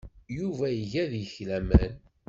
Yuba iga deg-k laman.